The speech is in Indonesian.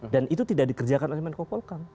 dan itu tidak dikerjakan oleh menko polkam